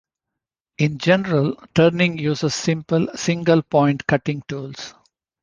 In general, turning uses simple "single-point cutting" tools.